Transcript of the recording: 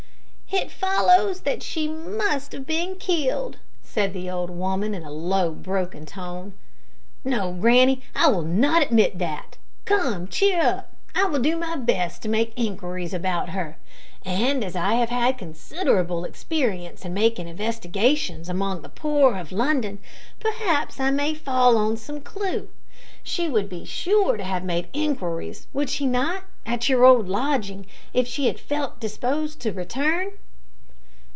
"It follows that she must have been killed," said the old woman in a low broken tone. "No, granny, I will not admit that. Come, cheer up; I will do my best to make inquiries about her, and as I have had considerable experience in making investigations among the poor of London, perhaps I may fall on some clew. She would be sure to have made inquiries, would she not, at your old lodging, if she had felt disposed to return?"